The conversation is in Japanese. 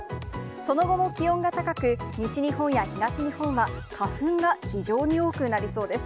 その後も気温が高く、西日本や東日本は花粉が非常に多くなりそうです。